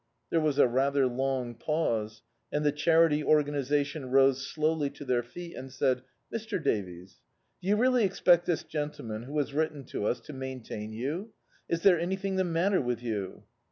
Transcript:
There was a rather long pause, and the Charity OrganisatiMi rose slowly to their feet, and said — "Mr. Davies, do you really expect this gentleman, ^o has writ ten to us, to maintain youf Is there anything the matter with you?"